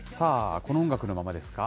この音楽のままですか。